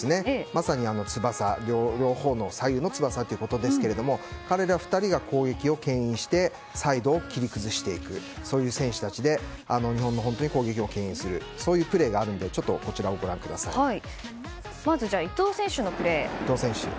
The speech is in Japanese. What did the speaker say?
まさに翼、両方の左右の翼ということですけれども彼ら２人が攻撃をけん引してサイドを切り崩していくそういう選手たちで日本の攻撃を牽引するプレーがあるのでまず伊東選手のプレー。